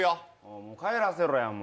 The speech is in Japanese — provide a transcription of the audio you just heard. もう帰らせろや。